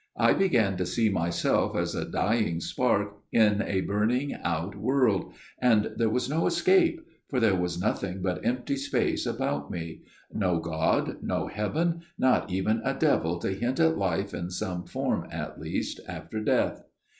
I began to see myself as a dying spark in a burning out world ; and there was no escape for there was nothing but empty space about me : no God, no heaven ; not even a devil to hint at life in some form at least after death.